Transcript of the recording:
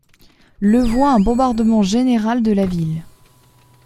Le voit un bombardement général de la ville.